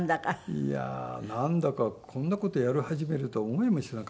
いやーなんだかこんな事やり始めるとは思いもしなかったですけどね。